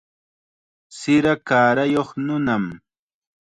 Sira kaarayuq nunam.